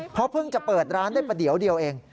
เพราะเพิ่งจะเปิดร้านได้ประเดี๋ยวเดียวเอง